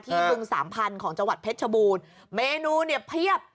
บึงสามพันธุ์ของจังหวัดเพชรชบูรณ์เมนูเนี่ยเพียบ